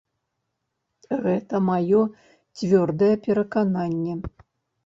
Гэта маё цвёрдае перакананне.